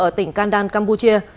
ở tỉnh kandan campuchia